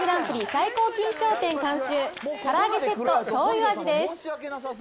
最高金賞店監修から揚げセットしょうゆ味です。